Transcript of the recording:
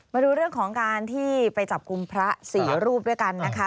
มาดูเรื่องของการที่ไปจับกลุ่มพระ๔รูปด้วยกันนะคะ